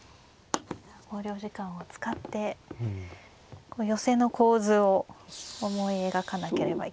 考慮時間を使って寄せの構図を思い描かなければいけないですね。